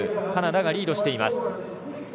カナダがリードしています。